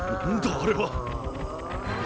あれは。